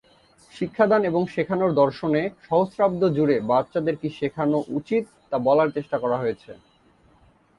শিক্ষাদান এবং শেখানোর দর্শনে, সহস্রাব্দ জুড়ে বাচ্চাদের কী শেখানো উচিত তা বলার চেষ্টা করা হয়েছে।